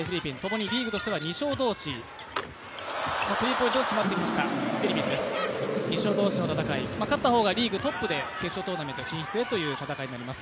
予選リーグとしては２勝同士の戦い勝った方がリーグトップで決勝トーナメント進出へという戦いになります。